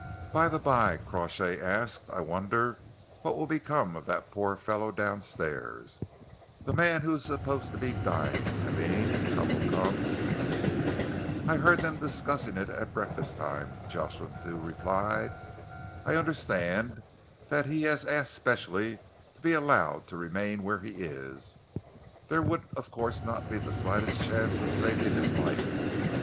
"By the by," Crawshay asked, "I wonder what will become of that poor fellow downstairs the man who is supposed to be dying, I mean if trouble comes?" "I heard them discussing it at breakfast time," Jocelyn Thew replied. "I understand that he has asked specially to be allowed to remain where he is. There would of course be not the slightest chance of saving his life.